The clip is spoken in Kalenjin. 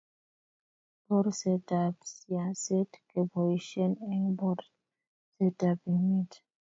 borsetab siaset keboishen eng borsetab emet